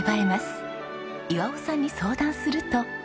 岩男さんに相談すると。